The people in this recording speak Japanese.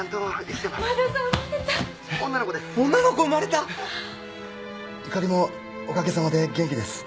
ゆかりもおかげさまで元気です。